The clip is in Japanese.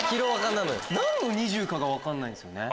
何の２０かが分かんないんですよね。